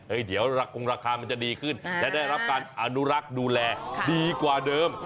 เดี๋ยวคงราคามันจะดีขึ้นและได้รับการอนุรักษ์ดูแลดีกว่าเดิม